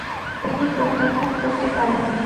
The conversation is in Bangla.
তিনি প্রত্যাখ্যান করেতে পারেন নি।